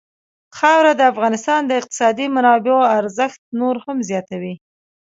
خاوره د افغانستان د اقتصادي منابعو ارزښت نور هم زیاتوي.